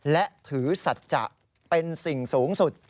และถือสัจจะเป็นสิ่งสูงสุด